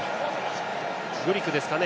グリクですかね。